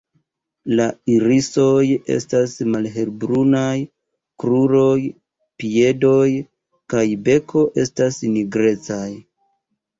La irisoj estas malhelbrunaj; kruroj, piedoj kaj beko estas nigrecaj.